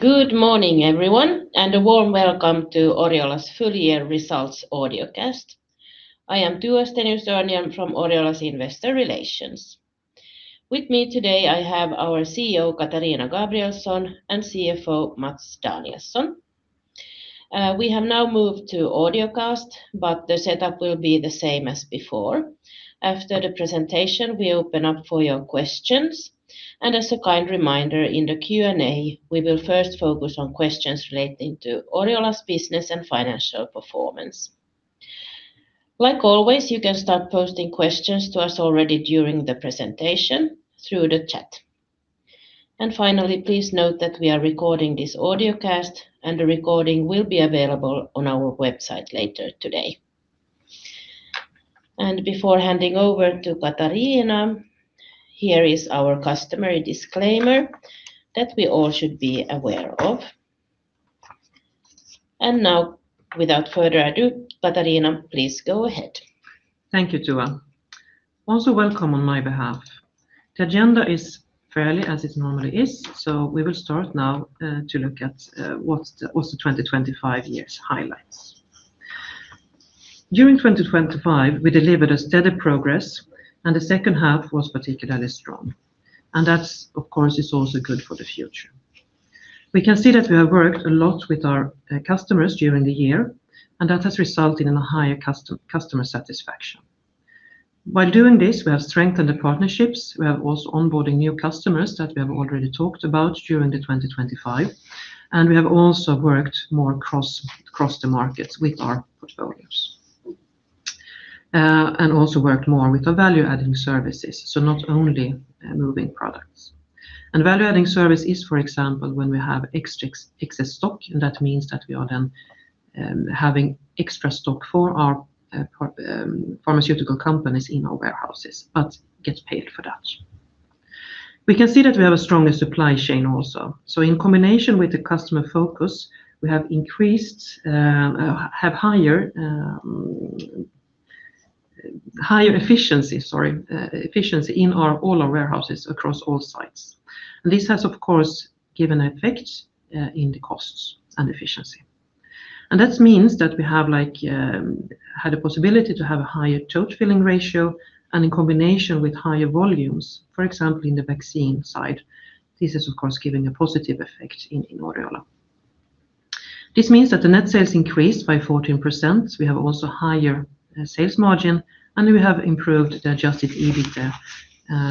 Good morning, everyone, a warm welcome to Oriola's full year results audiocast. I am Tua Stenius-Örnhjelm from Oriola's Investor Relations. With me today, I have our CEO, Katarina Gabrielson, and CFO, Mats Danielsson. We have now moved to audiocast, the setup will be the same as before. After the presentation, we open up for your questions, and as a kind reminder, in the Q&A, we will first focus on questions relating to Oriola's business and financial performance. Like always, you can start posting questions to us already during the presentation through the chat. Finally, please note that we are recording this audiocast, and the recording will be available on our website later today. Before handing over to Katarina, here is our customary disclaimer that we all should be aware of. Now, without further ado, Katarina, please go ahead. Thank you, Tua. Welcome on my behalf. The agenda is fairly as it normally is. We will start now to look at what's the 2025 years highlights. During 2025, we delivered a steady progress. The second half was particularly strong, and that's, of course, is also good for the future. We can see that we have worked a lot with our customers during the year. That has resulted in a higher customer satisfaction. By doing this, we have strengthened the partnerships. We have also onboarding new customers that we have already talked about during 2025. We have also worked more across the markets with our portfolios. Also worked more with our value-adding services, not only moving products. Value-adding service is, for example, when we have excess stock, and that means that we are then having extra stock for our pharmaceutical companies in our warehouses, but get paid for that. We can see that we have a stronger supply chain also. In combination with the customer focus, we have higher efficiency in our all our warehouses across all sites. This has, of course, given an effect in the costs and efficiency. That means that we have like had a possibility to have a higher tote filling ratio and in combination with higher volumes, for example, in the vaccine side, this is, of course, giving a positive effect in Oriola. This means that the net sales increased by 14%. We have also higher sales margin, and we have improved Adjusted EBITDA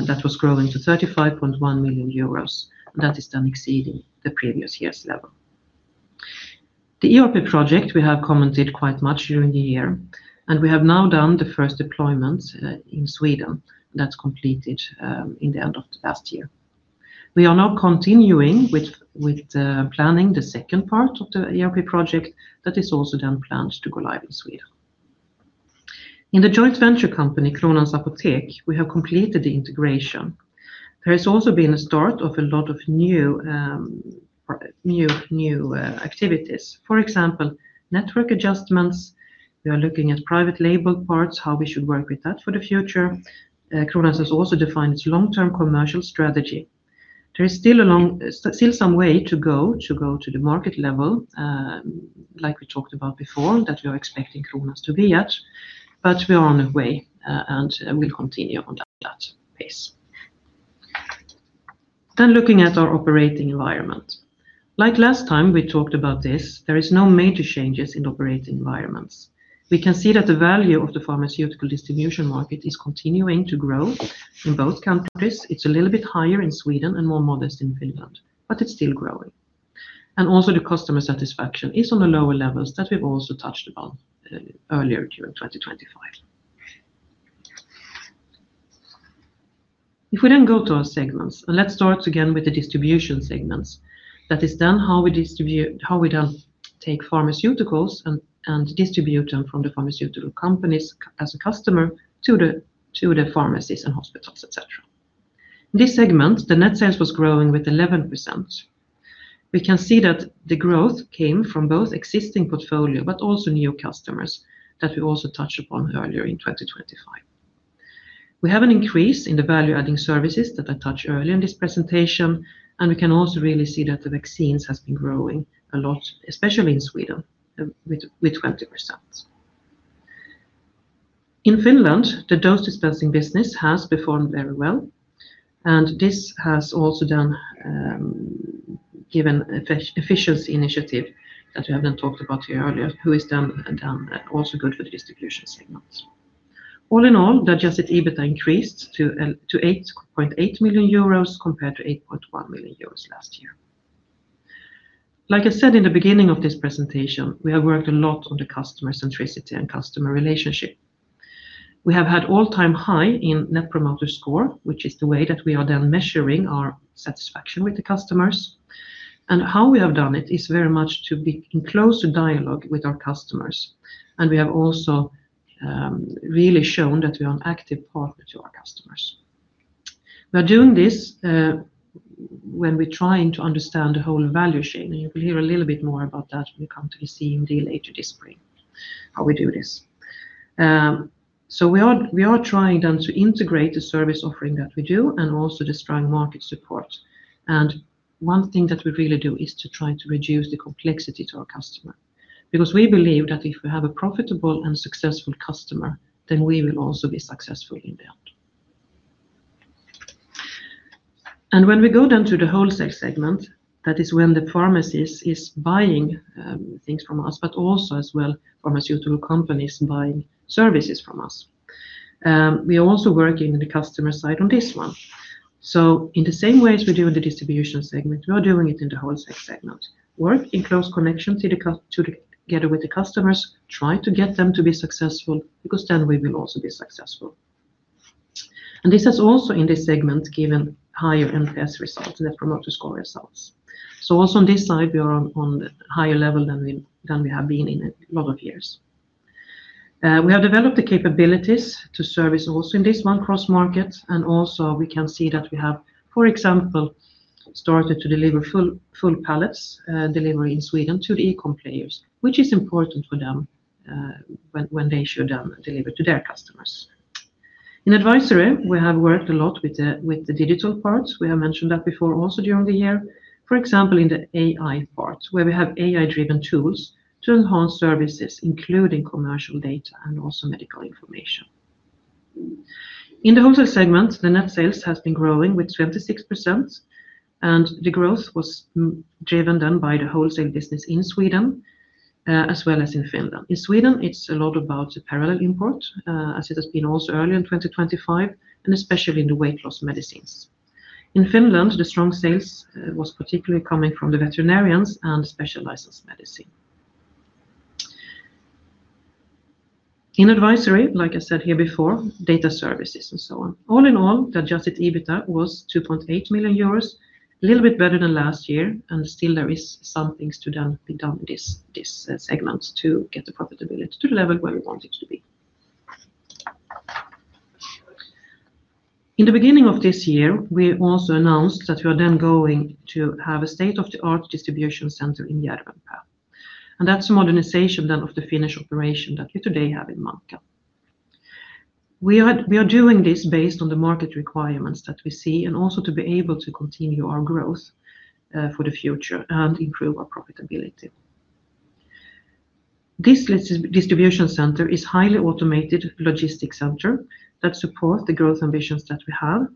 that was growing to 35.1 million euros, and that is done exceeding the previous year's level. The ERP project, we have commented quite much during the year, and we have now done the first deployment in Sweden. That's completed in the end of the last year. We are now continuing with the planning the second part of the ERP project that is also then planned to go live in Sweden. In the joint venture company, Kronans Apotek, we have completed the integration. There has also been a start of a lot of new activities. For example, network adjustments. We are looking at private label parts, how we should work with that for the future. Kronans has also defined its long-term commercial strategy. There is still some way to go to the market level, like we talked about before, that we are expecting Kronans to be at, but we are on the way, and we'll continue on that pace. Looking at our operating environment. Like last time we talked about this, there is no major changes in operating environments. We can see that the value of the pharmaceutical distribution market is continuing to grow in both countries. It's a little bit higher in Sweden and more modest in Finland, but it's still growing. Also the customer satisfaction is on the lower levels that we've also touched upon earlier during 2025. If we then go to our segments, and let's start again with the distribution segments, that is then how we then take pharmaceuticals and distribute them from the pharmaceutical companies as a customer to the, to the pharmacies and hospitals, etc. In this segment, the net sales was growing with 11%. We can see that the growth came from both existing portfolio, but also new customers that we also touched upon earlier in 2025. We have an increase in the value-adding services that I touched earlier in this presentation. We can also really see that the vaccines has been growing a lot, especially in Sweden, with 20%. In Finland, the dose dispensing business has performed very well, and this has also done, given efficiency initiative that we have then talked about here earlier, who is done also good for the distribution segments. All in all, Adjusted EBITDA increased to 8.8 million euros, compared to 8.1 million euros last year. Like I said in the beginning of this presentation, we have worked a lot on the customer centricity and customer relationship. We have had all-time high in Net Promoter Score, which is the way that we are then measuring our satisfaction with the customers. How we have done it is very much to be in closer dialogue with our customers, and we have also really shown that we are an active partner to our customers. By doing this, when we're trying to understand the whole value chain, you will hear a little bit more about that when we come to the CMD later this spring. How we do this. We are trying then to integrate the service offering that we do and also the strong market support. One thing that we really do is to try to reduce the complexity to our customer, because we believe that if we have a profitable and successful customer, then we will also be successful in the end. When we go down to the wholesale segment, that is when the pharmacist is buying things from us, but also as well, pharmaceutical companies buying services from us. We are also working in the customer side on this one. In the same way as we do in the distribution segment, we are doing it in the wholesale segment. Work in close connection to, together with the customers, try to get them to be successful, because then we will also be successful. This is also in this segment, given higher NPS results, Net Promoter Score results. Also on this side, we are on higher level than we have been in a lot of years. We have developed the capabilities to service also in this one cross market, and also we can see that we have, for example, started to deliver full pallets, delivery in Sweden to the e-com players, which is important for them, when they should deliver to their customers. In advisory, we have worked a lot with the digital parts. We have mentioned that before, also during the year. For example, in the AI part, where we have AI-driven tools to enhance services, including commercial data and also medical information. In the wholesale segment, the net sales has been growing with 26%, and the growth was driven down by the wholesale business in Sweden, as well as in Finland. In Sweden, it's a lot about the parallel import, as it has been also early in 2025, and especially in the weight-loss medicines. In Finland, the strong sales was particularly coming from the veterinarians and specialized medicine. In advisory, like I said here before, data services and so on. Adjusted EBITDA was 2.8 million euros, a little bit better than last year. Still there is some things to be done this segment to get the profitability to the level where we want it to be. In the beginning of this year, we also announced that we are then going to have a state-of-the-art distribution center in Järvenpää. That's a modernization then of the Finnish operation that we today have in Munkkiniemi. We are doing this based on the market requirements that we see, also to be able to continue our growth for the future and improve our profitability. This distribution center is highly automated logistics center that support the growth ambitions that we have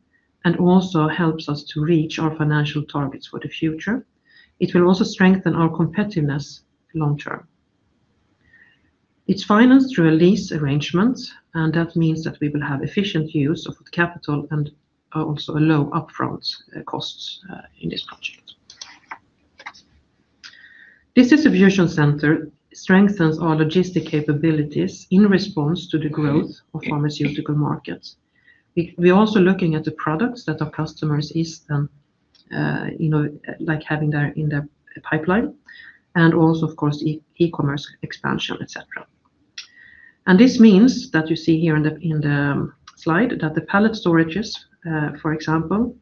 also helps us to reach our financial targets for the future. It will also strengthen our competitiveness long term. It's financed through a lease arrangement. That means that we will have efficient use of capital and also a low upfront costs in this project. This distribution center strengthens our logistic capabilities in response to the growth of pharmaceutical markets. We're also looking at the products that our customers is, you know, like having there in their pipeline, and also, of course, e-commerce expansion, etc. This means that you see here in the slide, that the pallet storages, for example,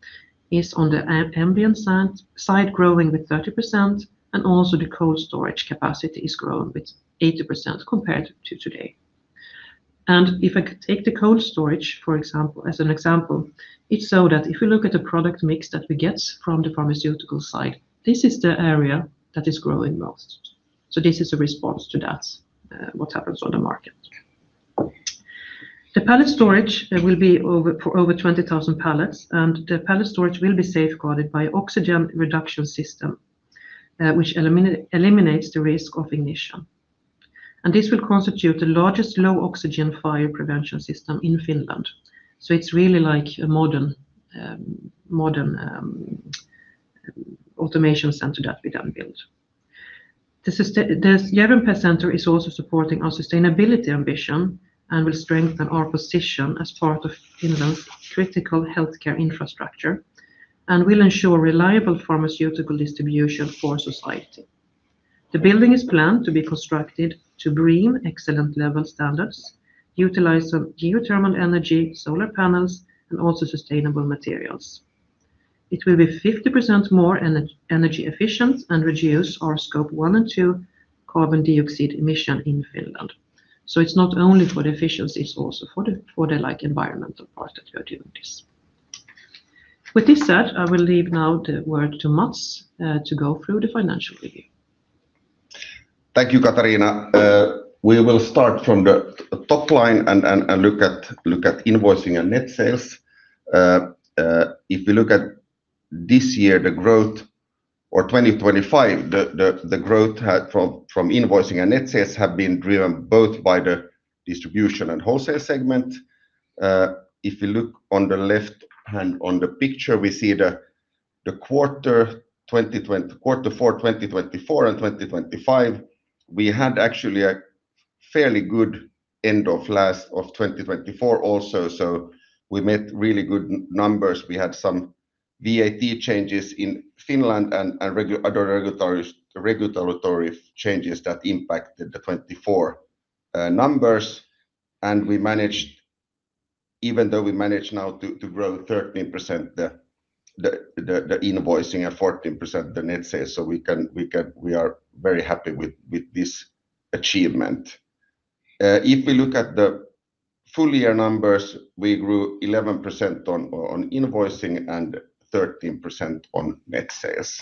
is on the ambient side, growing with 30%, and also the cold storage capacity is growing with 80% compared to today. If I could take the cold storage, for example, as an example, it's so that if we look at the product mix that we get from the pharmaceutical side, this is the area that is growing most. This is a response to that, what happens on the market. The pallet storage will be for over 20,000 pallets, and the pallet storage will be safeguarded by oxygen reduction system, which eliminates the risk of ignition. This will constitute the largest low-oxygen fire prevention system in Finland. It's really like a modern automation center that we then build. The Järvenpää center is also supporting our sustainability ambition and will strengthen our position as part of Finland's critical healthcare infrastructure and will ensure reliable pharmaceutical distribution for society. The building is planned to be constructed to BREEAM excellent level standards, utilize some geothermal energy, solar panels, and also sustainable materials. It will be 50% more energy efficient and reduce our Scope one and two carbon dioxide emission in Finland. It's not only for the efficiency, it's also for the, like, environmental part that we are doing this. With this said, I will leave now the word to Mats to go through the financial review. Thank you, Katarina. We will start from the top line and look at invoicing and net sales. If you look at this year, the growth or 2025, the growth had from invoicing and net sales have been driven both by the distribution and wholesale segment. If you look on the left-hand on the picture, we see the quarter four, 2024 and 2025, we had actually a fairly good end of last of 2024 also. We made really good numbers. We had some VAT changes in Finland and other regulatory changes that impacted the 2024 numbers, and we managed. We managed now to grow 13% the invoicing and 14% the net sales, we are very happy with this achievement. If we look at the full year numbers, we grew 11% on invoicing and 13% on net sales.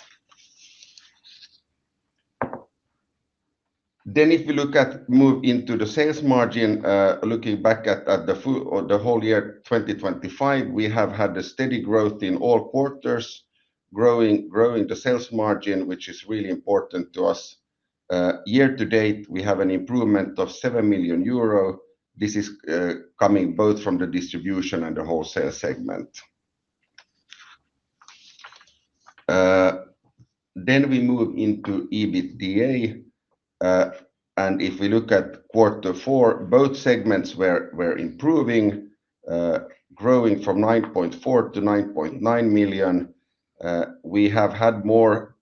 If we look at move into the sales margin, looking back at the full or the whole year 2025, we have had a steady growth in all quarters, growing the sales margin, which is really important to us. Year to date, we have an improvement of 7 million euro. This is coming both from the distribution and the wholesale segment. We move into EBITDA, and if we look at quarter four, both segments were improving, growing from 9.4 million to 9.9 million. We have had more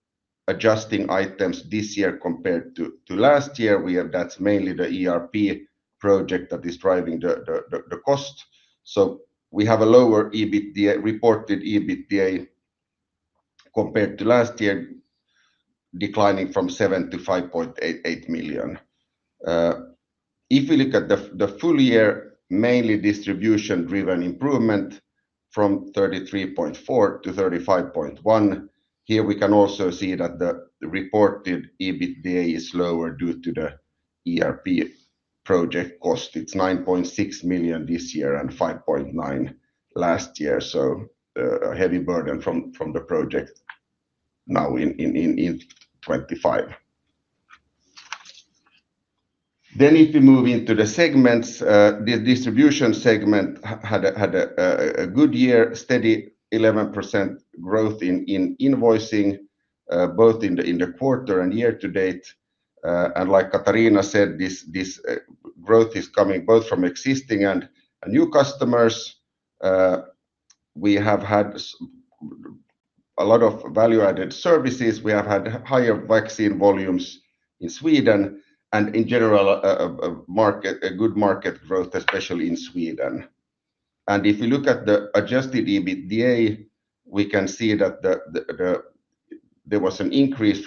adjusting items this year compared to last year. That's mainly the ERP project that is driving the cost. We have a lower EBITDA, reported EBITDA compared to last year, declining from 7 million to 5.88 million. If we look at the full year, mainly distribution-driven improvement from 33.4 million to 35.1 million. Here we can also see that the reported EBITDA is lower due to the ERP project cost. It's 9.6 million this year and 5.9 million last year. A heavy burden from the project now in 2025. If we move into the segments, the distribution segment had a good year, steady 11% growth in invoicing, both in the quarter and year to date. Like Katarina Gabrielson said, this growth is coming both from existing and new customers. We have had a lot of value-added services. We have had higher vaccine volumes in Sweden and in general, a good market growth, especially in Sweden. If you look at Adjusted EBITDA, we can see that there was an increase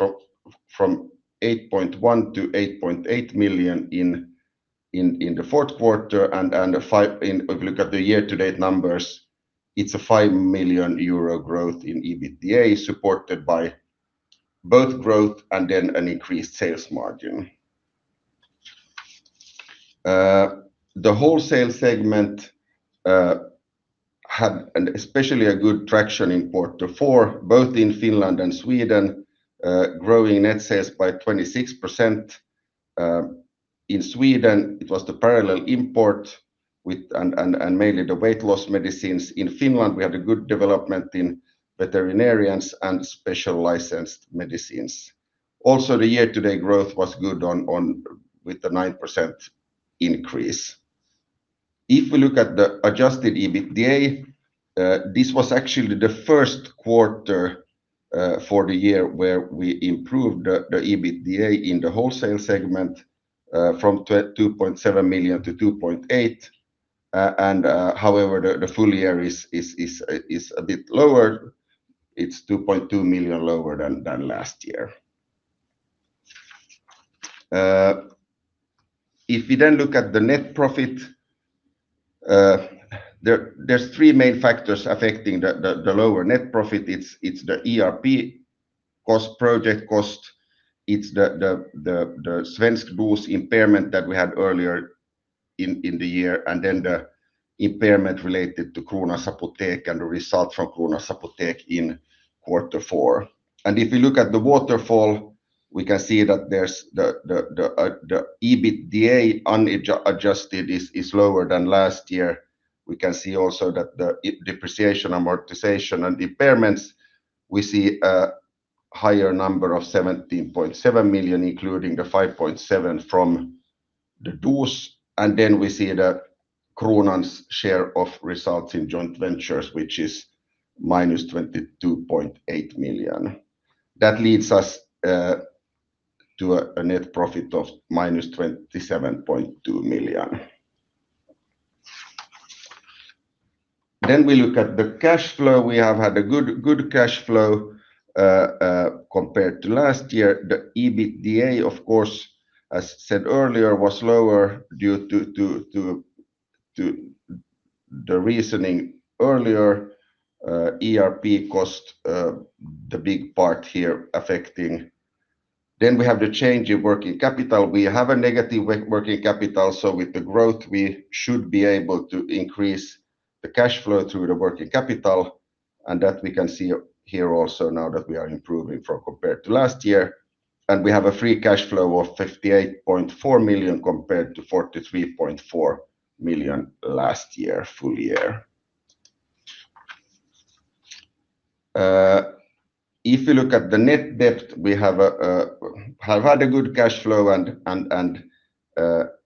from 8.1 million-8.8 million in the Q4 and a five... If we look at the year-to-date numbers, it's a 5 million euro growth in EBITDA, supported by both growth and then an increased sales margin. The wholesale segment had an especially good traction in quarter four, both in Finland and Sweden, growing net sales by 26%. In Sweden, it was the parallel import with and mainly the weight-loss medicines. In Finland, we had a good development in veterinarians and Special Licensed Medicines. Also, the year-to-date growth was good on with the 9% increase. If we look at Adjusted EBITDA, this was actually the Q1 for the year where we improved the EBITDA in the wholesale segment from 2.7 million to 2.8 million. However, the full year is a bit lower. It's 2.2 million lower than last year. If we then look at the net profit, there's three main factors affecting the lower net profit. It's the ERP cost, project cost, it's the Svensk Dos impairment that we had earlier in the year, and then the impairment related to Kronans Apotek and the result from Kronans Apotek in quarter four. If we look at the waterfall, we can see that there's the EBITDA Adjusted is lower than last year. We can see also that the depreciation, amortization, and impairments, we see a higher number of 17.7 million, including the 5.7 million from the Svensk Dos. Then we see that Kronans share of results in joint ventures, which is minus 22.8 million. That leads us to a net profit of minus 27.2 million. We look at the cash flow. We have had a good cash flow compared to last year. The EBITDA, of course, as said earlier, was lower due to the reasoning earlier. ERP cost, the big part here affecting. We have the change in working capital. We have a negative working capital, so with the growth, we should be able to increase the cash flow through the working capital, and that we can see here also now that we are improving from compared to last year. We have a free cash flow of 58.4 million compared to 43.4 million last year, full year. If you look at the net debt, we have had a good cash flow and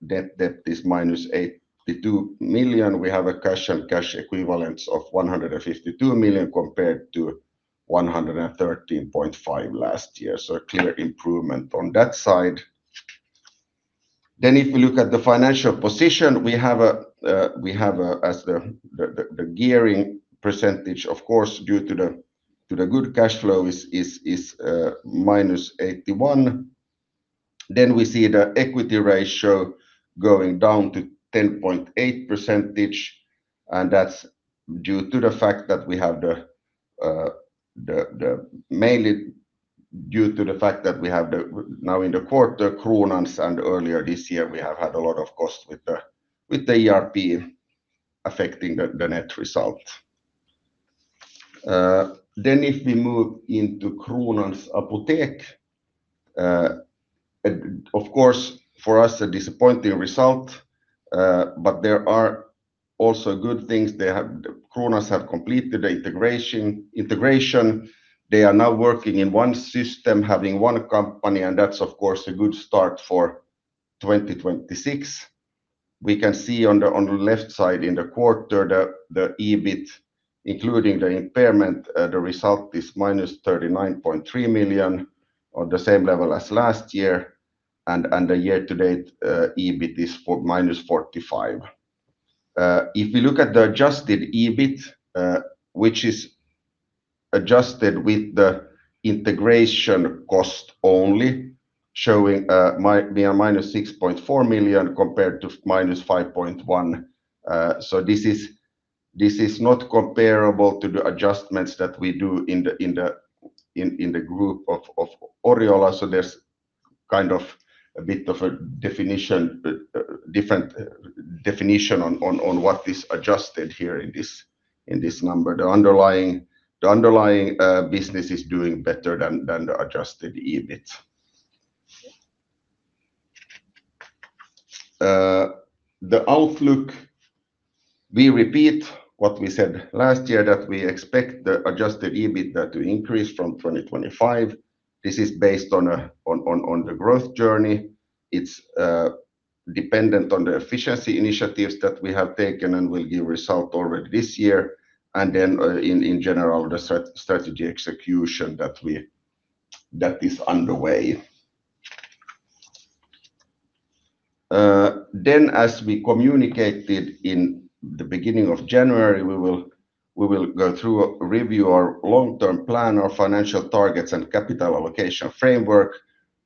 debt is -82 million. We have a cash and cash equivalents of 152 million compared to 113.5 last year. A clear improvement on that side. If we look at the financial position, we have a, as the gearing percentage, of course, due to the good cash flow is -81%. We see the equity ratio going down to 10.8%, and that's due to the fact that we have the mainly due to the fact that we have now in the quarter, Kronans, and earlier this year, we have had a lot of costs with the ERP affecting the net result. If we move into Kronans Apotek, of course, for us, a disappointing result, but there are also good things. Kronans have completed the integration. They are now working in one system, having one company, and that's of course a good start for 2026. We can see on the left side in the quarter, the EBIT, including the impairment, the result is minus 39.3 million, on the same level as last year. The year to date EBIT is for minus 45 million. If we look at the Adjusted EBIT, which is adjusted with the integration cost only, showing minus 6.4 million compared to minus 5.1 million. This is not comparable to the adjustments that we do in the group of Oriola. There's kind of a bit of a different definition on what is adjusted here in this number. The underlying business is doing better than the Adjusted EBIT. The outlook, we repeat what we said last year, that we expect the Adjusted EBIT to increase from 2025. This is based on the growth journey. It's dependent on the efficiency initiatives that we have taken and will give result already this year, and then in general, the strategy execution that is underway. As we communicated in the beginning of January, we will go through a review our long-term plan, our financial targets, and capital allocation framework,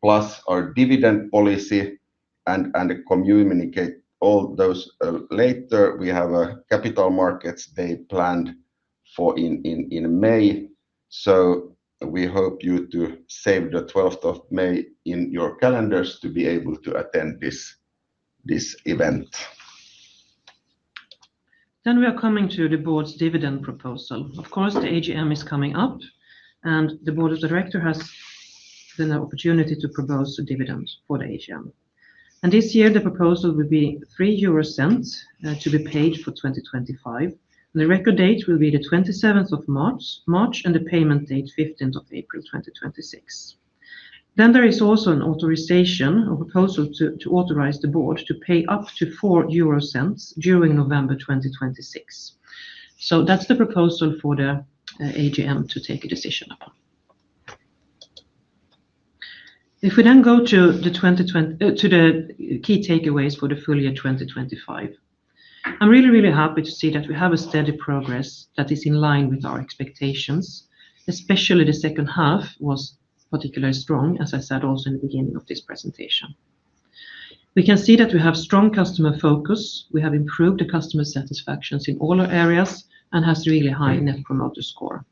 plus our dividend policy, and communicate all those later. We have a Capital Markets Day planned for in May. We hope you to save the 12th of May in your calendars to be able to attend this event. We are coming to the board's dividend proposal. Of course, the AGM is coming up, the board of director has then the opportunity to propose a dividend for the AGM. This year, the proposal will be 3 euro cents to be paid for 2025. The record date will be the 27th of March, and the payment date, 15th of April, 2026. There is also an authorization or proposal to authorize the board to pay up to 4 euro cents during November 2026. That's the proposal for the AGM to take a decision upon. If we go to the key takeaways for the full year 2025, I'm really happy to see that we have a steady progress that is in line with our expectations. Especially the second half was particularly strong, as I said also in the beginning of this presentation. We can see that we have strong customer focus. We have improved the customer satisfactions in all our areas and has really high Net Promoter Score.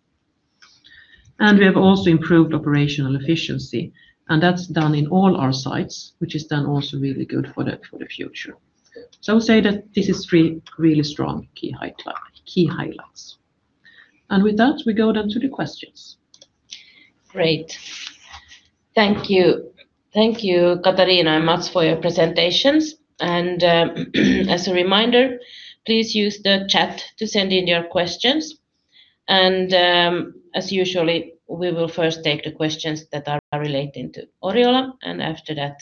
We have also improved operational efficiency, and that's done in all our sites, which is done also really good for the future. I would say that this is three really strong key highlights. With that, we go down to the questions. Great. Thank you. Thank you, Katarina and Mats, for your presentations. As a reminder, please use the chat to send in your questions. As usually, we will first take the questions that are relating to Oriola, and after that,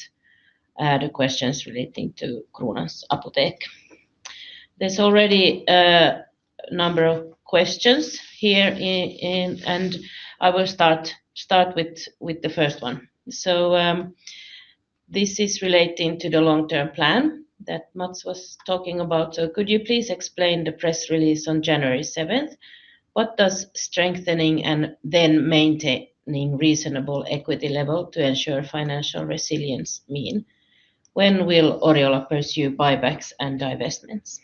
the questions relating to Kronans Apotek. There's already a number of questions here, and I will start with the first one. This is relating to the long-term plan that Mats was talking about. Could you please explain the press release on January seventh? What does strengthening and then maintaining reasonable equity level to ensure financial resilience mean? When will Oriola pursue buybacks and divestments?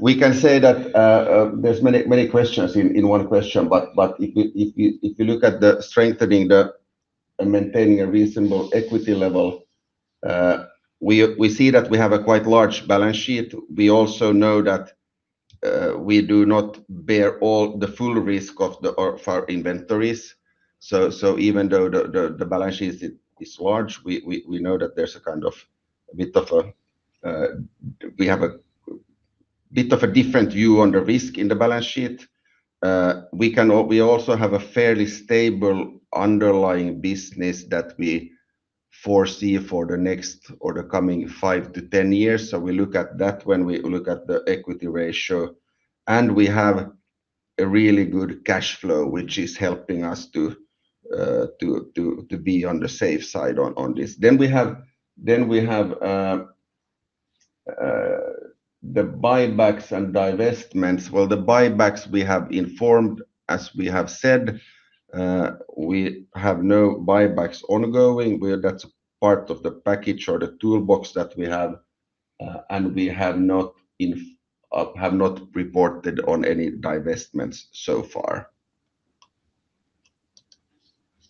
We can say that there's many questions in one question, but if you look at strengthening and maintaining a reasonable equity level, we see that we have a quite large balance sheet. We also know that we do not bear all the full risk of our inventories. Even though the balance sheet is large, we know that there's a kind of a bit of a... we have a bit of a different view on the risk in the balance sheet. We also have a fairly stable underlying business that we foresee for the next or the coming five to 10 years. We look at that when we look at the equity ratio, and we have. A really good cash flow, which is helping us to be on the safe side on this. We have the buybacks and divestments. Well, the buybacks we have informed, as we have said, we have no buybacks ongoing, where that's part of the package or the toolbox that we have, and we have not reported on any divestments so far.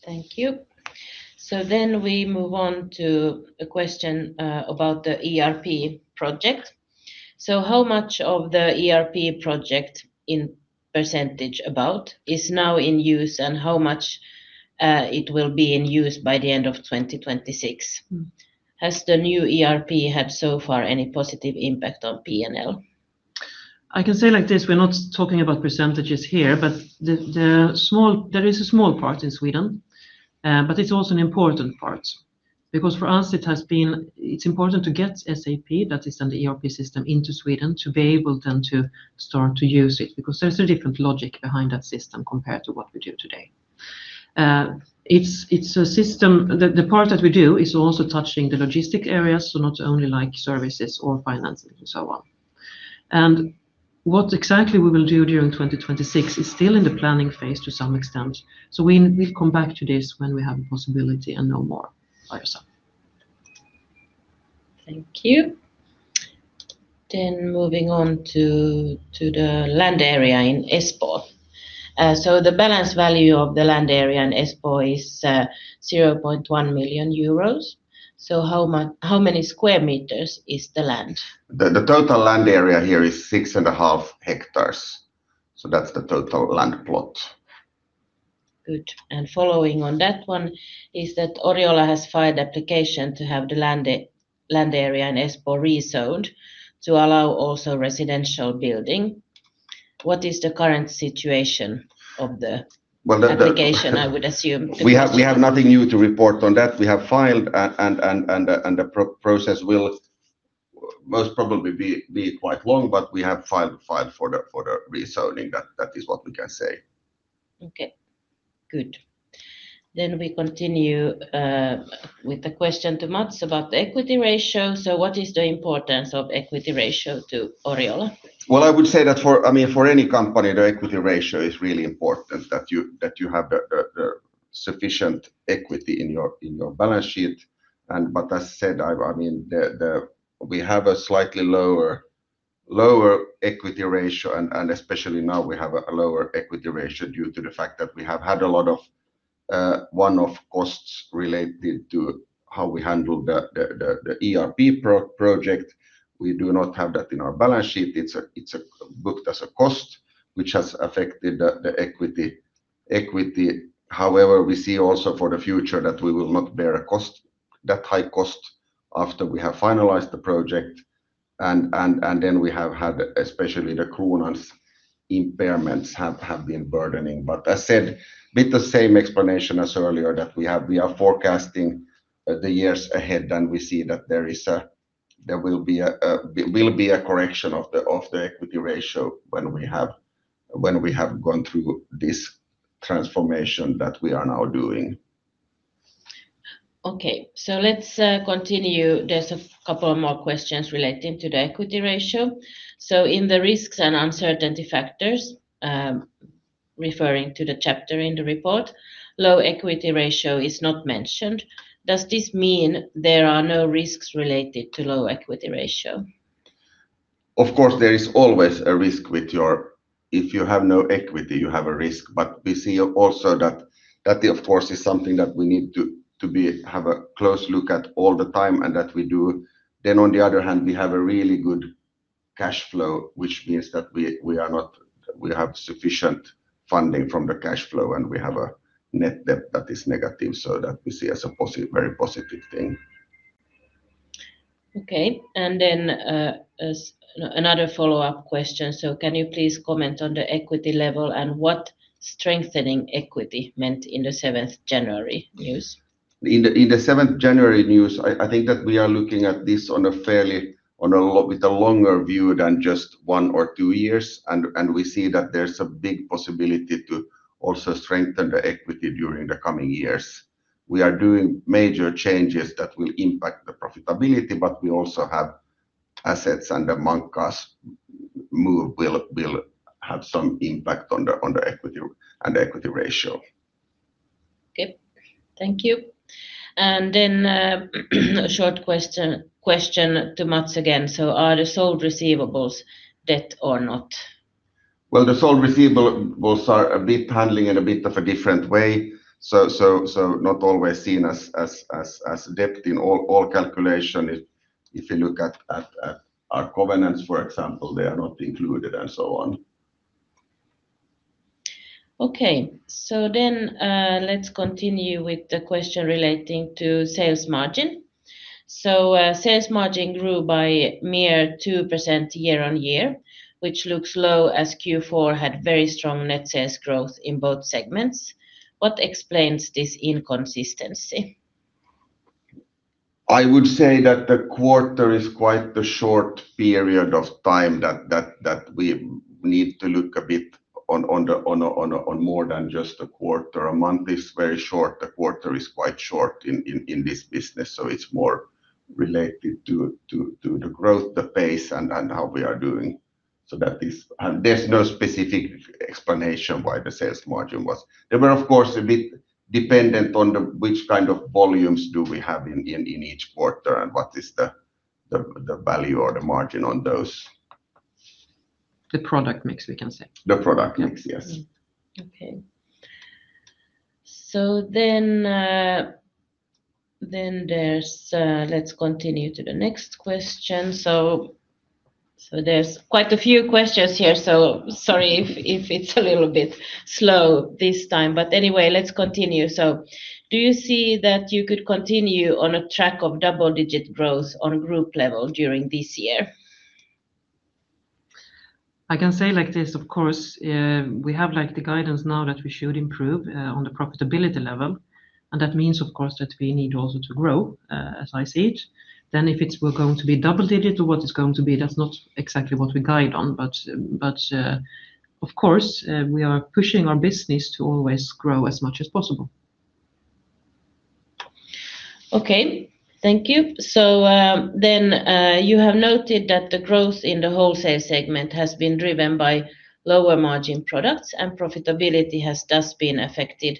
Thank you. We move on to a question about the ERP project. How much of the ERP project, in percentage about, is now in use, and how much it will be in use by the end of 2026? Has the new ERP had so far any positive impact on P&L? I can say like this: we're not talking about percentages here, there is a small part in Sweden, but it's also an important part. For us, it's important to get SAP, that is in the ERP system, into Sweden to be able then to start to use it, because there's a different logic behind that system compared to what we do today. It's a system. The part that we do is also touching the logistic areas, so not only like services or financing and so on. What exactly we will do during 2026 is still in the planning phase to some extent, so we'll come back to this when we have a possibility and know more by ourselves. Thank you. Moving on to the land area in Espoo. The balance value of the land area in Espoo is 0.1 million euros. How many square meters is the land? The total land area here is 6.5 hectares, so that's the total land plot. Good. Following on that one is that Oriola has filed application to have the land area in Espoo rezoned to allow also residential building. What is the current situation of the- Well, the. application, I would assume. We have nothing new to report on that. The process will most probably be quite long, we have filed for the rezoning. That is what we can say. Good. We continue, with the question to Mats about the equity ratio. What is the importance of equity ratio to Oriola? Well, I would say that for... I mean, for any company, the equity ratio is really important, that you, that you have the sufficient equity in your, in your balance sheet. But as said, I mean, we have a slightly lower equity ratio, and especially now, we have a lower equity ratio due to the fact that we have had a lot of one-off costs related to how we handle the ERP project. We do not have that in our balance sheet. It's booked as a cost, which has affected the equity. However, we see also for the future that we will not bear a cost, that high cost, after we have finalized the project. Then we have had, especially the Kronans impairments have been burdening. As said, with the same explanation as earlier, that we are forecasting the years ahead, and we see that there will be a correction of the equity ratio when we have gone through this transformation that we are now doing. Okay, let's continue. There's a couple more questions relating to the equity ratio. In the risks and uncertainty factors, referring to the chapter in the report, low equity ratio is not mentioned. Does this mean there are no risks related to low equity ratio? Of course, there is always a risk. If you have no equity, you have a risk. We see also that of course, is something that we need to have a close look at all the time, and that we do. On the other hand, we have a really good cash flow, which means that we have sufficient funding from the cash flow, and we have a net debt that is negative, that we see as a very positive thing. As another follow-up question, can you please comment on the equity level and what strengthening equity meant in the seventh January news? In the seventh January news, I think that we are looking at this on a fairly, with a longer view than just one or two years. We see that there's a big possibility to also strengthen the equity during the coming years. We are doing major changes that will impact the profitability. We also have assets, and among us, move will have some impact on the equity and equity ratio. Okay. Thank you. Then, a short question to Mats again. Are the sold receivables debt or not? The sold receivables are a bit handling in a bit of a different way, so not always seen as debt in all calculation. If you look at our covenants, for example, they are not included and so on. Okay. Let's continue with the question relating to sales margin. Sales margin grew by mere 2% year-on-year, which looks low, as Q4 had very strong net sales growth in both segments. What explains this inconsistency? I would say that the quarter is quite the short period of time, that we need to look a bit on the more than just a quarter. A month is very short, a quarter is quite short in this business, so it's more related to the growth, the pace, and how we are doing. There's no specific explanation why the sales margin was. They were, of course, a bit dependent on the which kind of volumes do we have in each quarter and what is the value or the margin on those. The product mix, we can say. The product mix, yes. Okay. Let's continue to the next question. There's quite a few questions here, sorry if it's a little bit slow this time. Anyway, let's continue. Do you see that you could continue on a track of double-digit growth on group level during this year? I can say like this, of course, we have, like, the guidance now that we should improve, on the profitability level, and that means, of course, that we need also to grow, as I see it. If it's going to be double-digit or what it's going to be, that's not exactly what we guide on, but, of course, we are pushing our business to always grow as much as possible. Okay, thank you. You have noted that the growth in the wholesale segment has been driven by lower margin products, and profitability has thus been affected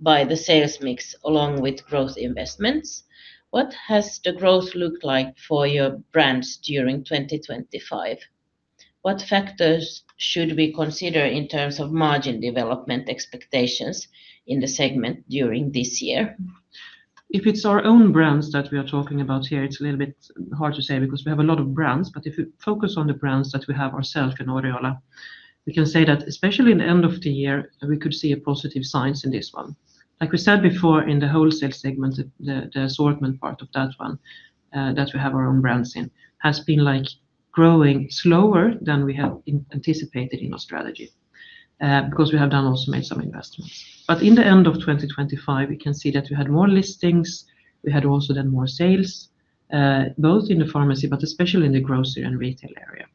by the sales mix, along with growth investments. What has the growth looked like for your brands during 2025? What factors should we consider in terms of margin development expectations in the segment during this year? If it's our own brands that we are talking about here, it's a little bit hard to say because we have a lot of brands. If we focus on the brands that we have ourselves in Oriola, we can say that especially in the end of the year, we could see a positive signs in this one. Like we said before, in the wholesale segment, the assortment part of that one, that we have our own brands in, has been, like, growing slower than we have in anticipated in our strategy, because we have done also made some investments. In the end of 2025, we can see that we had more listings, we had also done more sales, both in the pharmacy, but especially in the grocery and retail area.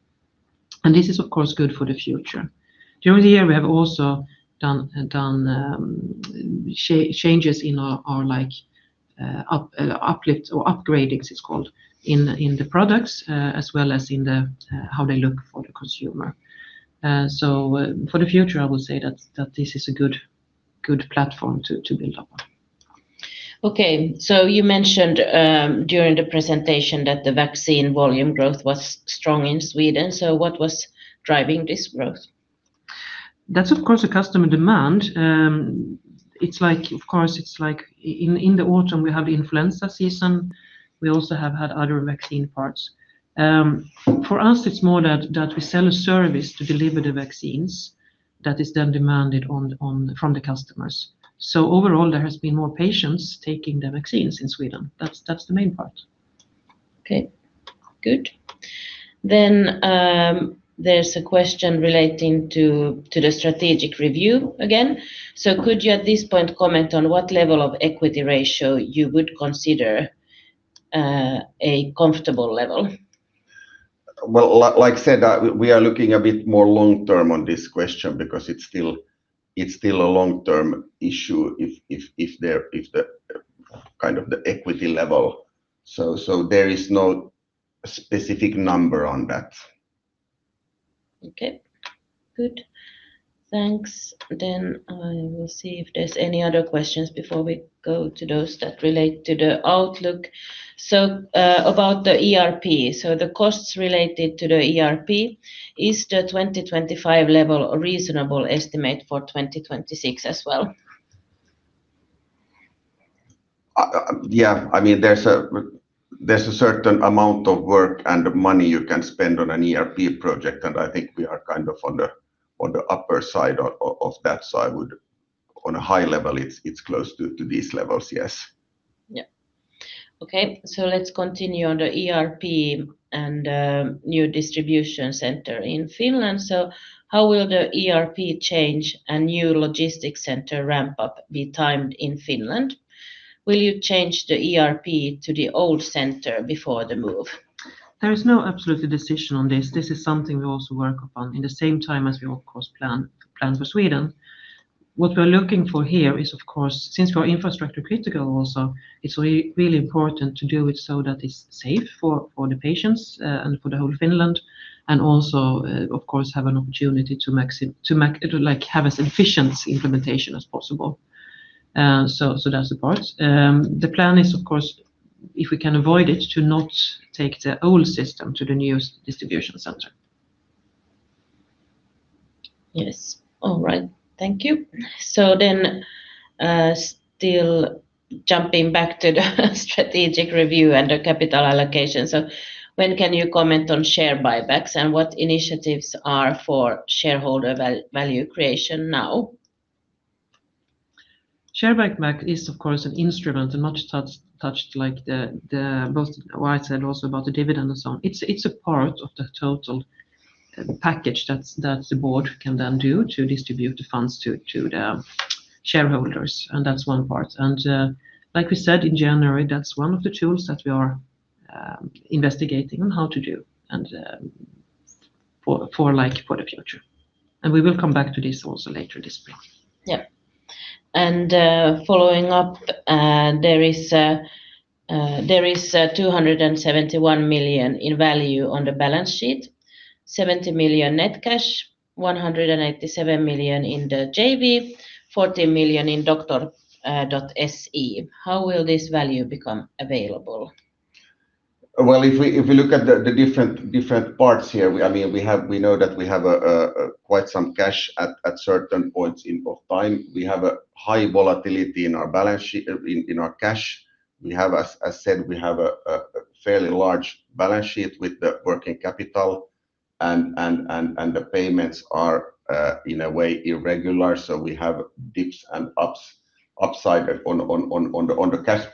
This is, of course, good for the future. During the year, we have also done changes in our, like, uplifts or upgradings, it's called, in the products, as well as in the, how they look for the consumer. For the future, I would say that this is a good platform to build up on. Okay. You mentioned, during the presentation that the vaccine volume growth was strong in Sweden, so what was driving this growth? That's, of course, a customer demand. Of course, in the autumn, we have influenza season. We also have had other vaccine parts. For us, it's more that we sell a service to deliver the vaccines that is then demanded from the customers. Overall, there has been more patients taking the vaccines in Sweden. That's the main part. Okay, good. There's a question relating to the strategic review again. Could you, at this point, comment on what level of equity ratio you would consider, a comfortable level? Well, like I said, we are looking a bit more long term on this question because it's still a long-term issue if there, if the, kind of the equity level. There is no specific number on that. Okay, good. Thanks. I will see if there's any other questions before we go to those that relate to the outlook. About the ERP, the costs related to the ERP, is the 2025 level a reasonable estimate for 2026 as well? Yeah. I mean, there's a certain amount of work and money you can spend on an ERP project, and I think we are kind of on the upper side of that. On a high level, it's close to these levels, yes. Yeah. Okay, let's continue on the ERP and new distribution center in Finland. How will the ERP change and new logistics center ramp-up be timed in Finland? Will you change the ERP to the old center before the move? There is no absolute decision on this. This is something we also work upon at the same time as we, of course, plan for Sweden. What we're looking for here is, of course, since we're infrastructure critical also, it's really important to do it so that it's safe for the patients, and for the whole Finland, and also, of course, have an opportunity to make, like, have as efficient implementation as possible. So that's the part. The plan is, of course, if we can avoid it, to not take the old system to the new distribution center. Yes. All right. Thank you. Still jumping back to the strategic review and the capital allocation. When can you comment on share buybacks, and what initiatives are for shareholder value creation now? Share buyback is, of course, an instrument and not touched like the both what I said also about the dividend and so on. It's a part of the package that the board can then do to distribute the funds to the shareholders, and that's one part. Like we said, in January, that's one of the tools that we are investigating on how to do, and for like for the future. We will come back to this also later this spring. Yep. Following up, there is a 271 million in value on the balance sheet, 70 million net cash, 187 million in the JV, 40 million in Doktor.se. How will this value become available? Well, if we look at the different parts here, I mean, we know that we have a quite some cash at certain points in both time. We have a high volatility in our balance sheet, in our cash. We have, as said, we have a fairly large balance sheet with the working capital and the payments are in a way, irregular, so we have dips and ups, upside on the cash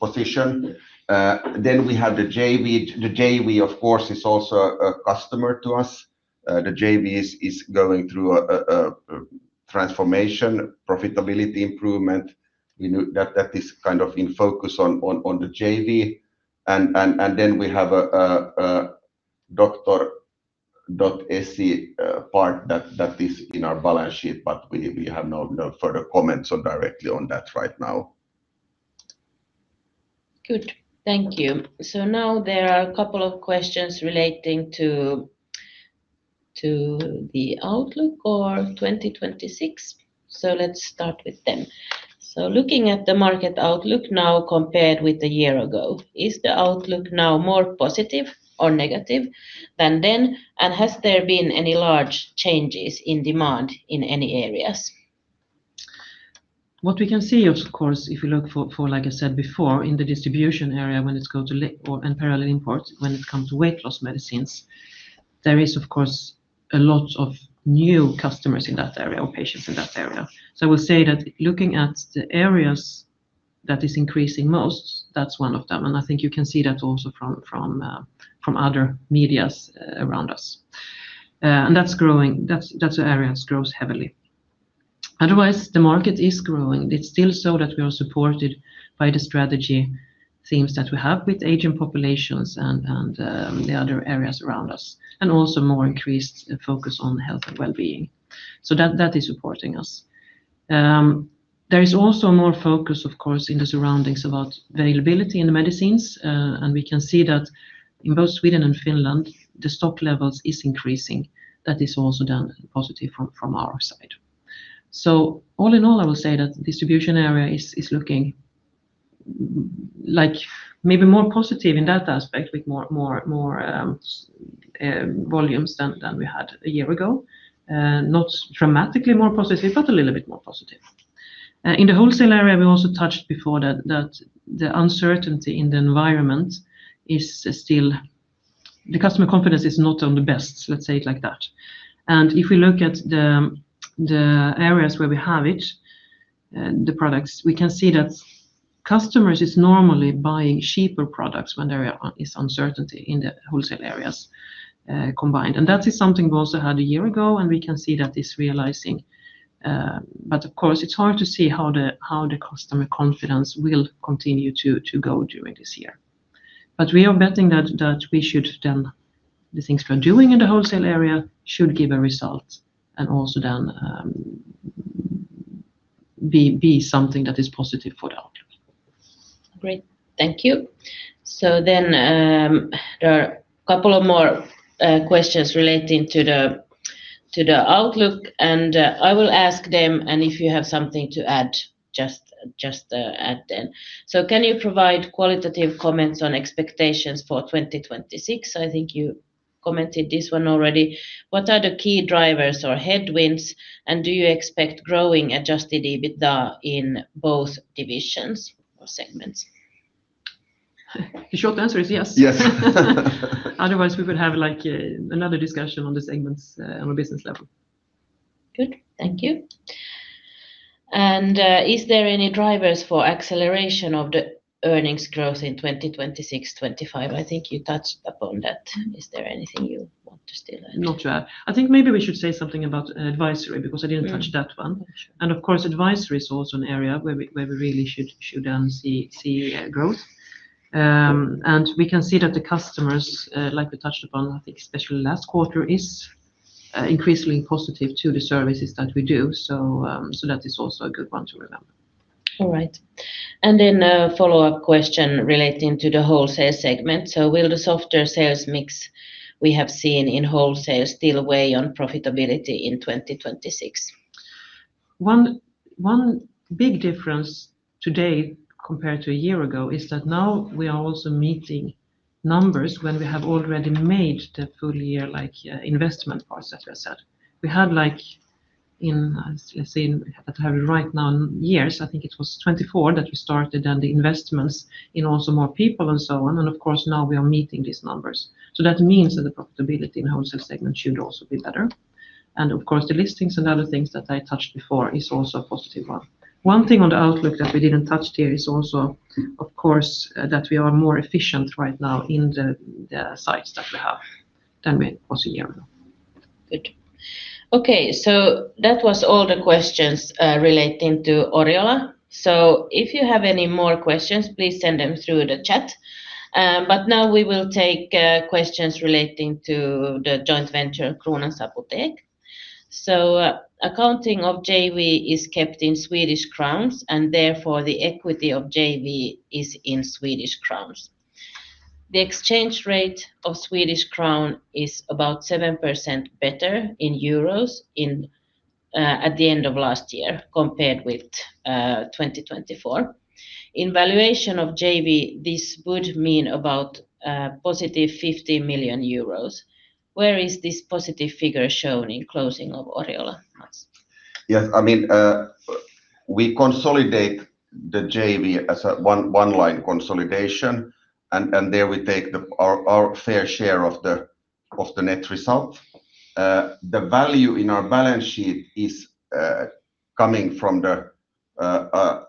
position. We have the JV. The JV, of course, is also a customer to us. The JV is going through a transformation, profitability improvement. We know that that is kind of in focus on the JV. Then we have a Doktor.se part that is in our balance sheet, but we have no further comments on directly on that right now. Good. Thank you. Now there are a couple of questions relating to the outlook for 2026. Let's start with them. Looking at the market outlook now compared with a year ago, is the outlook now more positive or negative than then? Has there been any large changes in demand in any areas? What we can see, of course, if you look for like I said before, in the distribution area, when it's go to or and parallel imports, when it comes to weight-loss medicines, there is, of course, a lot of new customers in that area or patients in that area. I will say that looking at the areas that is increasing most, that's one of them, and I think you can see that also from other medias around us. That's growing. That's the areas grows heavily. The market is growing. It's still so that we are supported by the strategy themes that we have with aging populations and, the other areas around us, and also more increased focus on health and wellbeing. That, that is supporting us. There is also more focus, of course, in the surroundings about availability in the medicines, and we can see that in both Sweden and Finland, the stock levels is increasing. That is also done positive from our side. All in all, I will say that the distribution area is looking like maybe more positive in that aspect, with more volumes than we had a year ago. Not dramatically more positive, but a little bit more positive. In the wholesale area, we also touched before that the uncertainty in the environment is still. The customer confidence is not on the best, let's say it like that. If we look at the areas where we have it, the products, we can see that customers is normally buying cheaper products when there is uncertainty in the wholesale areas combined. That is something we also had a year ago, and we can see that it's realizing. Of course, it's hard to see how the customer confidence will continue to go during this year. We are betting that we should then, the things we are doing in the wholesale area should give a result and also then be something that is positive for the outcome. Great. Thank you. There are a couple of more questions relating to the, to the outlook, and I will ask them, and if you have something to add, just add in. Can you provide qualitative comments on expectations for 2026? I think you commented this one already. What are the key drivers or headwinds, and do you expect Adjusted EBITDA in both divisions or segments? The short answer is yes. Yes. Otherwise, we would have, like, another discussion on the segments, on a business level. Good. Thank you. Is there any drivers for acceleration of the earnings growth in 2026, 2025? I think you touched upon that. Is there anything you want to still add? Not to add. I think maybe we should say something about advisory, because I didn't touch that one. Mm-hmm. Of course, advisory is also an area where we really should see growth. We can see that the customers, like we touched upon, I think especially last quarter, is increasingly positive to the services that we do. So that is also a good one to remember. All right. A follow-up question relating to the wholesale segment. Will the softer sales mix we have seen in wholesale still weigh on profitability in 2026? One big difference today compared to a year ago is that now we are also meeting numbers when we have already made the full year, like investment parts, as I said. We had like in, let's say, at right now, years, I think it was 2024, that we started on the investments in also more people and so on. Of course, now we are meeting these numbers. That means that the profitability in the wholesale segment should also be better. Of course, the listings and other things that I touched before is also a positive one. One thing on the outlook that we didn't touch here is also, of course, that we are more efficient right now in the sites that we have than we was a year ago. Good. Okay, that was all the questions relating to Oriola. If you have any more questions, please send them through the chat. Now we will take questions relating to the joint venture, Kronans Apotek. Accounting of JV is kept in Swedish crowns, and therefore, the equity of JV is in Swedish crowns. The exchange rate of Swedish crown is about 7% better in EUR in at the end of last year compared with 2024. In valuation of JV, this would mean about positive 50 million euros. Where is this positive figure shown in closing of Oriola, Mats? We consolidate the JV as a one-line consolidation, and there we take our fair share of the net result. The value in our balance sheet is coming from the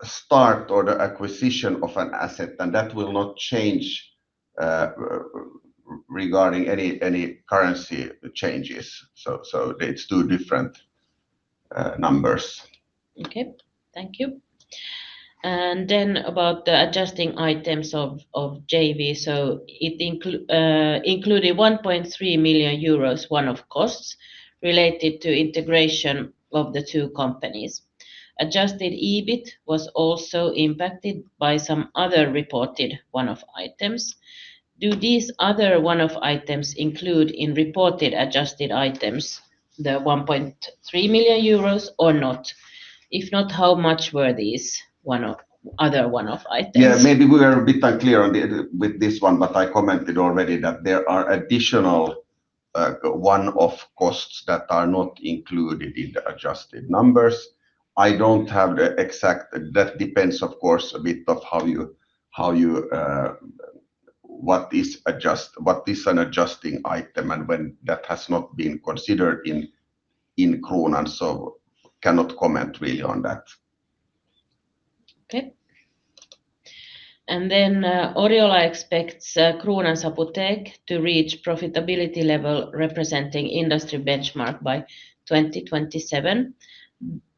start or the acquisition of an asset, and that will not change regarding any currency changes. It's 2 different numbers. Okay. Thank you. About the adjusting items of JV, it included 1.3 million euros, one of costs related to integration of the two companies. Adjusted EBIT was also impacted by some other reported one-off items. Do these other one-off items include in reported adjusted items, the 1.3 million euros or not? If not, how much were these other one-off items? Yeah, maybe we were a bit unclear on the, with this one, but I commented already that there are additional one-off costs that are not included in the adjusted numbers. I don't have the exact... That depends, of course, a bit of how you what is an adjusting item and when that has not been considered in Kronans Apotek, so cannot comment really on that. Okay. Then, Oriola expects Kronans Apotek to reach profitability level representing industry benchmark by 2027.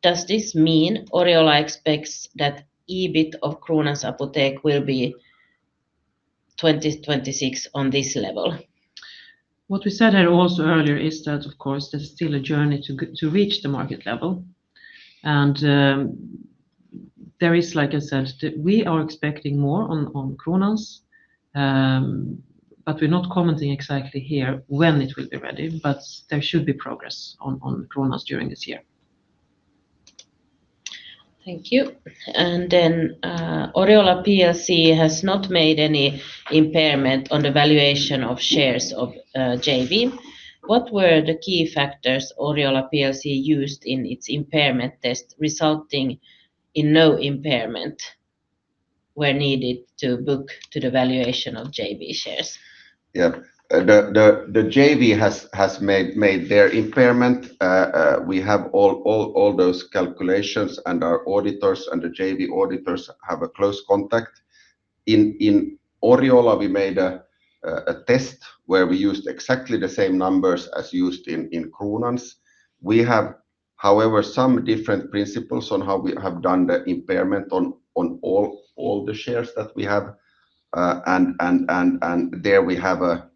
Does this mean Oriola expects that EBIT of Kronans Apotek will be 2026 on this level? What we said here also earlier is that, of course, there's still a journey to reach the market level, and there is, like I said, we are expecting more on Kronans, but we're not commenting exactly here when it will be ready, but there should be progress on Kronans during this year. Thank you. Oriola PLC has not made any impairment on the valuation of shares of JV. What were the key factors Oriola PLC used in its impairment test, resulting in no impairment were needed to book to the valuation of JV shares? Yeah. The JV has made their impairment. We have all those calculations, and our auditors and the JV auditors have a close contact. In Oriola, we made a test where we used exactly the same numbers as used in Kronans. We have, however, some different principles on how we have done the impairment on all the shares that we have. There we have a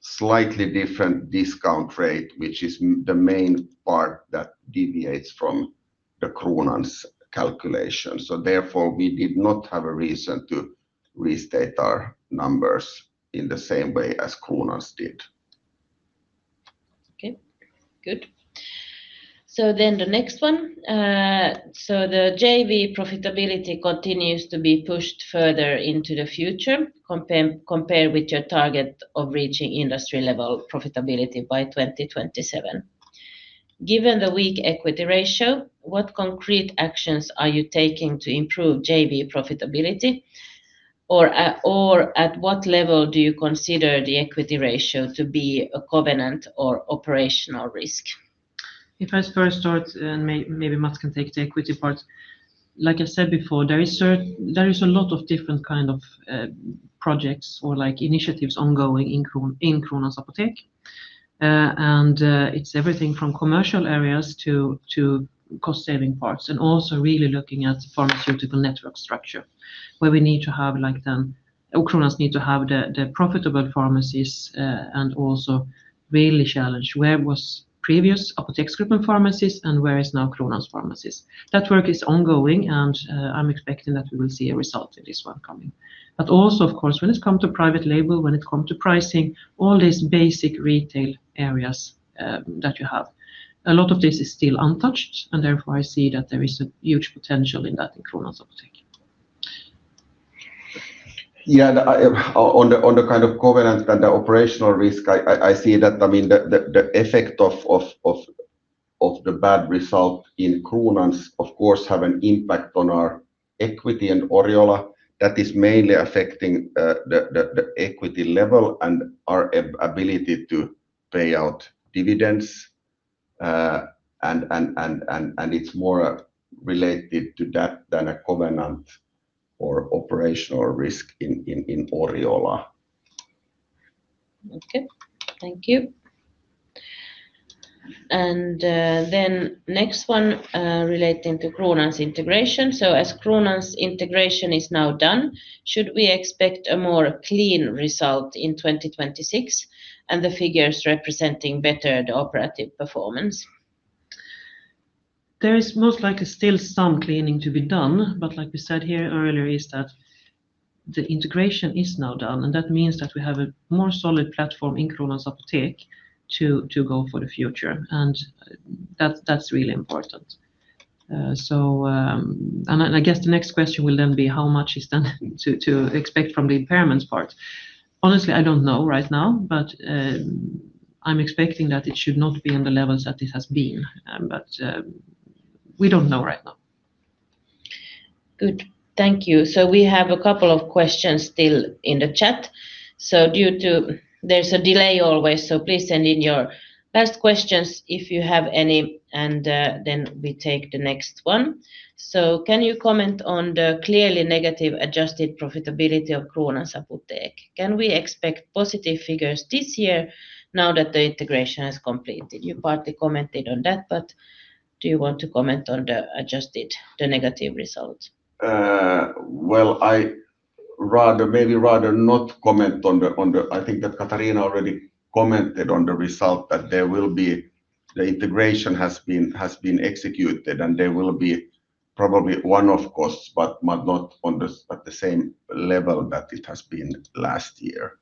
slightly different discount rate, which is the main part that deviates from the Kronans' calculation. Therefore, we did not have a reason to restate our numbers in the same way as Kronans did. Okay, good. The next one. The JV profitability continues to be pushed further into the future, compared with your target of reaching industry-level profitability by 2027. Given the weak equity ratio, what concrete actions are you taking to improve JV profitability? At what level do you consider the equity ratio to be a covenant or operational risk? If I first start and maybe Mats can take the equity part. Like I said before, there is a lot of different kind of projects or like initiatives ongoing in Kronans Apotek. It's everything from commercial areas to cost-saving parts, and also really looking at pharmaceutical network structure, where we need to have like Kronans need to have the profitable pharmacies, and also really challenge where was previous Apoteksgruppen pharmacies and where is now Kronans pharmacies. That work is ongoing. I'm expecting that we will see a result in this one coming. Also, of course, when it come to private label, when it come to pricing, all these basic retail areas, that you have, a lot of this is still untouched, and therefore, I see that there is a huge potential in that, in Kronans Apotek. On the, on the kind of covenant and the operational risk, I see that, I mean, the effect of the bad result in Kronans Apotek, of course, have an impact on our equity in Oriola, that is mainly affecting the equity level and our ability to pay out dividends. It's more related to that than a covenant or operational risk in Oriola. Okay, thank you. Next one relating to Kronans integration. As Kronans integration is now done, should we expect a more clean result in 2026 and the figures representing better the operative performance? There is most likely still some cleaning to be done, but like we said here earlier, is that the integration is now done, and that means that we have a more solid platform in Kronans Apotek to go for the future, and that's really important. I guess the next question will then be how much is then to expect from the impairments part? Honestly, I don't know right now, but I'm expecting that it should not be on the levels that it has been. We don't know right now. Good. Thank you. We have a couple of questions still in the chat. There's a delay always, please send in your last questions if you have any, and then we take the next one. Can you comment on the clearly negative adjusted profitability of Kronans Apotek? Can we expect positive figures this year now that the integration is completed? You partly commented on that, but do you want to comment on the adjusted, the negative result? Well, I think that Katarina already commented on the result. The integration has been executed, and there will be probably one-off costs, but not at the same level that it has been last year.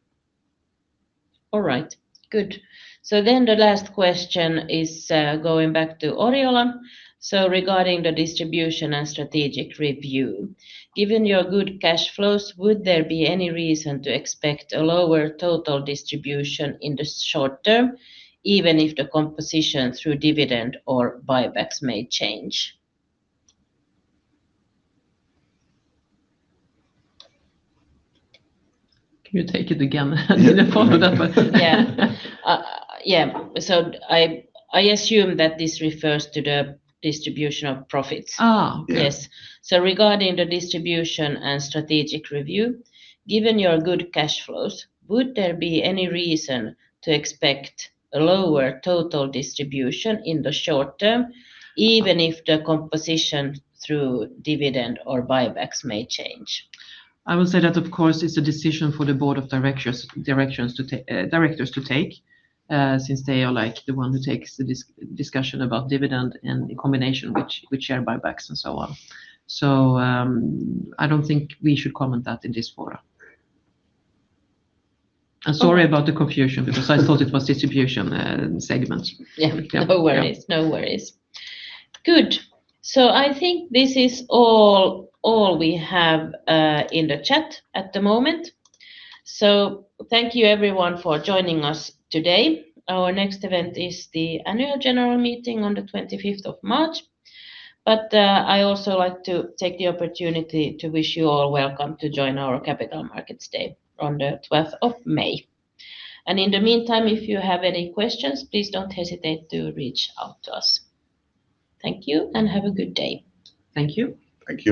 All right. Good. The last question is, going back to Oriola, regarding the distribution and strategic review: Given your good cash flows, would there be any reason to expect a lower total distribution in the short term, even if the composition through dividend or buybacks may change? Can you take it again? I didn't follow that one. Yeah. I assume that this refers to the distribution of profits. Ah. Yeah. Yes. Regarding the distribution and strategic review, given your good cash flows, would there be any reason to expect a lower total distribution in the short term, even if the composition through dividend or buybacks may change? I would say that, of course, it's a decision for the board of directors, directions to take, directors to take, since they are, like, the one who takes the discussion about dividend and the combination which share buybacks and so on. I don't think we should comment that in this forum. Sorry about the confusion, because I thought it was distribution, segment. Yeah. Yeah. No worries. No worries. Good. I think this is all we have in the chat at the moment. Thank you everyone for joining us today. Our next event is the annual general meeting on the 25th of March. I also like to take the opportunity to wish you all welcome to join our Capital Markets Day on the 12th of May. In the meantime, if you have any questions, please don't hesitate to reach out to us. Thank you, and have a good day. Thank you. Thank you.